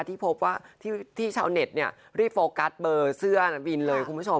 ที่พบว่าที่ชาวเน็ตรีบโฟกัสเบอร์เสื้อวินเลยคุณผู้ชม